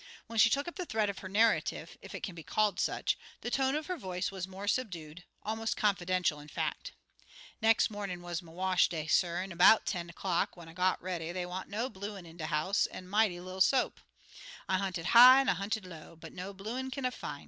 When she took up the thread of her narrative, if it can be called such, the tone of her voice was more subdued, almost confidential, in fact. "Nex' mornin' wuz my wash day, suh, an' 'bout ten o'clock, when I got ready, dey want no bluin' in de house an' mighty little soap. I hunted high an' I hunted low, but no bluin' kin I fin'.